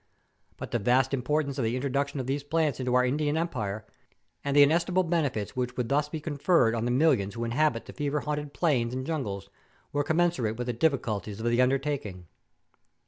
But the vast importance of the introduction of these plants into our Indian empire, and the inesti¬ mable benefits which would thus be conferred on the millions who inhabit the fever haunted plains and jungles, were commensurate with the difficulties of the undertaking.